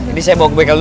tapi waktu tak mengambil